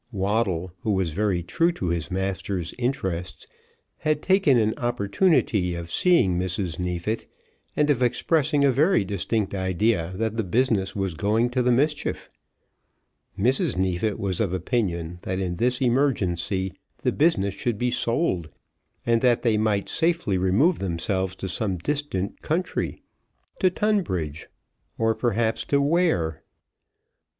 Waddle, who was very true to his master's interests, had taken an opportunity of seeing Mrs. Neefit, and of expressing a very distinct idea that the business was going to the mischief. Mrs. Neefit was of opinion that in this emergency the business should be sold, and that they might safely remove themselves to some distant country, to Tunbridge, or perhaps to Ware.